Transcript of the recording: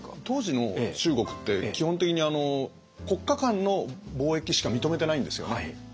当時の中国って基本的に国家間の貿易しか認めてないんですよね。